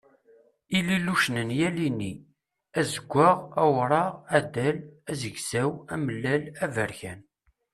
Ililucen n yal inni: azeggaɣ, awṛaɣ, adal, azegzaw, amellal, aberkan.